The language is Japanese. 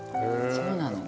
そうなの？